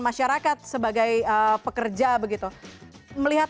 masyarakat sebagai pekerja begitu melihat